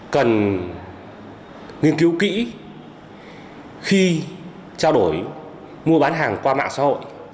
cần nghiên cứu kỹ khi trao đổi mua bán hàng qua mạng xã hội